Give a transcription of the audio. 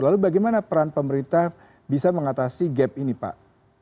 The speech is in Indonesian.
lalu bagaimana peran pemerintah bisa mengatasi gap ini pak